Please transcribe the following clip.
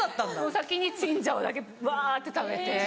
先にチンジャオだけバって食べて。